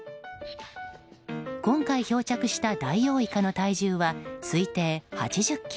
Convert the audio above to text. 今回漂着したダイオウイカの体重は推定８０ｋｇ。